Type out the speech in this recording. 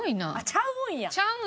ちゃうんや！